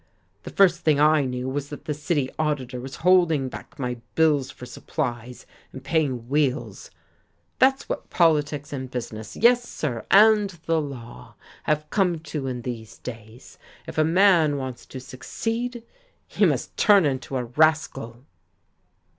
The first thing I knew was that the city auditor was holding back my bills for supplies, and paying Weill's. That's what politics and business, yes, sir, and the law, have come to in these days. If a man wants to succeed, he must turn into a rascal."